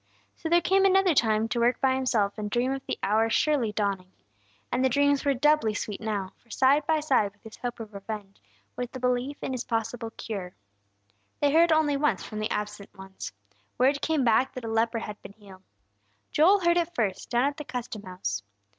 So there came another time to work by himself and dream of the hour surely dawning. And the dreams were doubly sweet now; for side by side with his hope of revenge, was the belief in his possible cure. They heard only once from the absent ones. Word came back that a leper had been healed. Joel heard it first, down at the custom house.